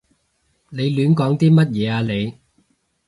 你亂講啲乜嘢啊你？